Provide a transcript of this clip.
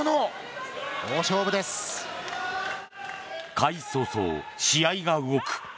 開始早々、試合が動く。